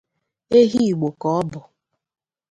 Ehi Igbo ka ọ bụ.